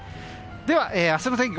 では明日の天気